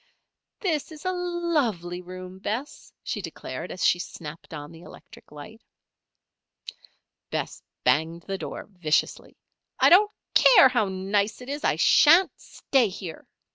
"This is a lovely room, Bess," she declared, as she snapped on the electric light. Bess banged the door viciously. "I don't care how nice it is! I sha'n't stay here!"